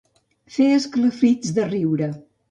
Fer esclafits de riure.